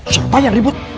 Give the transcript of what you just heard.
siapa yang ribut